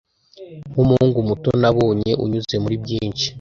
nkumuhungu muto nabonye unyuze muri byinshi